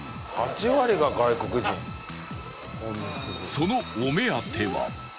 そのお目当ては